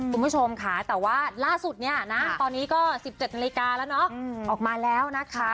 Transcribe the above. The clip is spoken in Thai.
คุณผู้ชมแต่ว่าล่าสุดอีก๑๗นาทีแล้ว